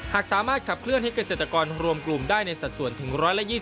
หากสามารถขับเคลื่อนให้เกษตรกรรวมกลุ่มได้ในสัดส่วนถึง๑๒๐